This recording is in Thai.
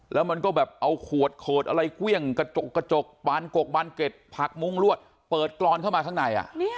แล้วมันก็แบบเอาขวดโขดอะไรเครื่องกระจกกระจกบานกกบานเกร็ดผักมุ้งลวดเปิดกรอนเข้ามาข้างใน